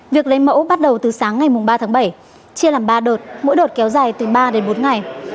việc lấy mẫu bắt đầu từ sáng ngày ba tháng bảy chia làm ba đợt mỗi đợt kéo dài từ ba đến bốn ngày